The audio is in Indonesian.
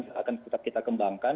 akan tetap kita kembangkan